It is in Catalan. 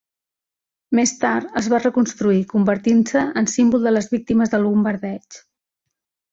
Més tard es va reconstruir convertint-se en símbol de les víctimes del bombardeig.